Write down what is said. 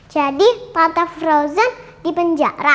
jadi patah frozen di penjara